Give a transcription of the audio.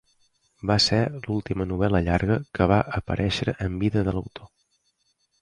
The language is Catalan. Va ser l'última novel·la llarga que va aparèixer en vida de l'autor.